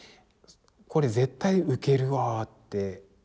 これ絶対ウケるわって。